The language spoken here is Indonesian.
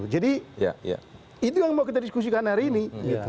jadi itu yang mau kita diskusikan hari ini